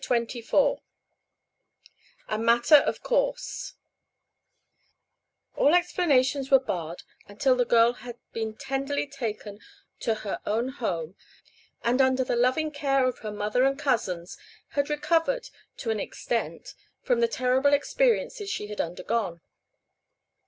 CHAPTER XXIV A MATTER OF COURSE All explanations were barred until the girl had been tenderly taken to her own home and under the loving care of her mother and cousins had recovered to an extent from the terrible experiences she had undergone.